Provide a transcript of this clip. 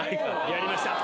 やりました。